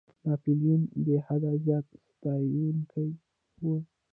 ناپولیون بېحده زیات ستایونکی وو.